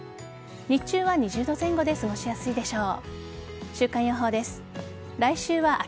日中は２０度前後で過ごしやすいでしょう。